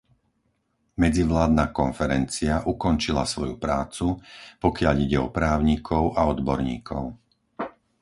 Medzivládna konferencia ukončila svoju prácu, pokiaľ ide o právnikov a odborníkov.